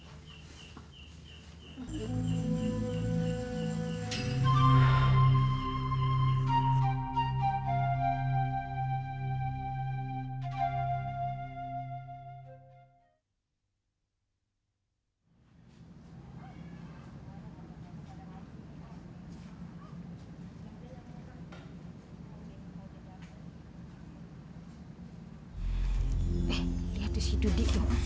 eh lihat tuh si judi dong